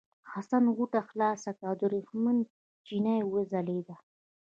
حسن غوټه خلاصه کړه او ورېښمین چپنه وځلېده.